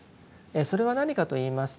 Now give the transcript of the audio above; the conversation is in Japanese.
それは何かといいますと